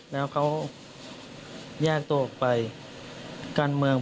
แล้วเขาแยกตัวออกไปการเมือง